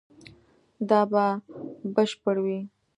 دا به بشپړ وي